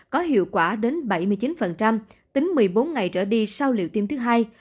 có hiệu quả đến bảy mươi chín tính một mươi bốn ngày trở đi sau liệu tiêm thứ hai